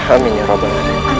amin ya rabbal alam